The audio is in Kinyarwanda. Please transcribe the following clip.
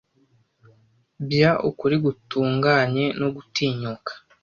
Bya ukuri gutunganye no gutinyuka